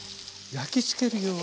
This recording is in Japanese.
焼きつけるように。